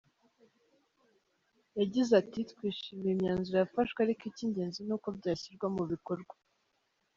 Yagize ati “Twishimiye imyanzuro yafashwe ariko icy’ingenzi ni uko byashyirwa mu bikorwa.